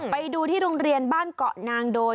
ไปดูที่โรงเรียนบ้านเกาะนางโดย